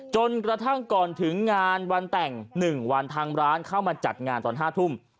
จนกระทั่งก่อนถึงงานวันแต่ง๑วันทางร้านเข้ามาจัดงานตอน๕ทุ่ม